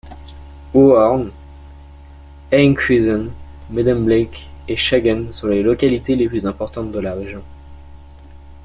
Hoorn, Enkhuizen, Medemblik et Schagen sont les localités les plus importantes de la région.